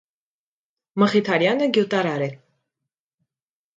Մխիթարյանը գյուտարար է։